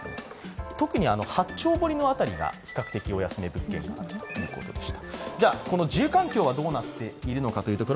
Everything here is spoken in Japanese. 特に八丁堀のあたりが、比較的、安目の物件があるということでした。